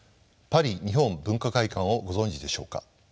パリ日本文化会館をご存じでしょうか？